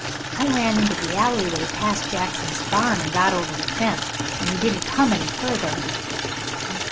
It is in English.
I ran into the alleyway past Jackson's barn, and got over the fence, and he didn't come any further."